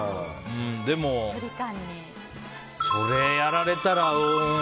でも、それやられたらうーん。